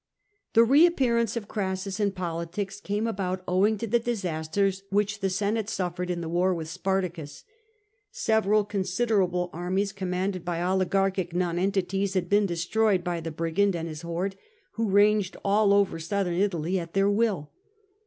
The reappearance of Crassus in politics came about owing to the disasters which the Senate suffered in the war with Spartacus. Several considerable armies, com manded by oligarchic nonentities, had been destroyed by the brigand and his horde, who ranged all over Southern Italy at their will.